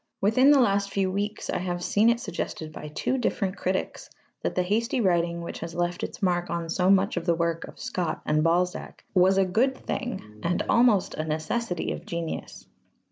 Within the last few weeks I have seen it suggested by two different critics that the hasty writing which has left its mark on so much of the work of Scott and Balzac was a good thing and almost a necessity of genius.